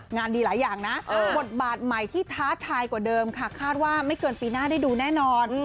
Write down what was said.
งานดีหลายอย่างนะบทบาทใหม่ที่ท้าทายกว่าเดิมค่ะคาดว่าไม่เกินปีหน้าได้ดูแน่นอน